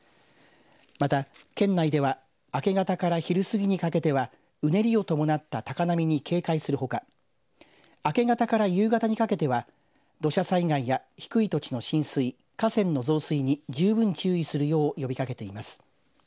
また、県内では明け方から昼過ぎにかけてはうねりを伴った高波に警戒するほか明け方から夕方にかけては土砂災害や低い土地の浸水河川の増水に十分注意するよう呼びかけています。